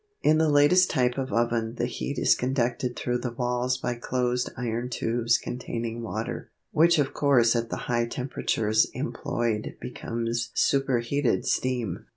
In the latest type of oven the heat is conducted through the walls by closed iron tubes containing water, which of course at the high temperatures employed becomes superheated steam.